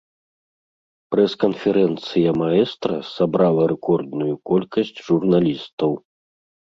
Прэс-канферэнцыя маэстра сабрала рэкордную колькасць журналістаў.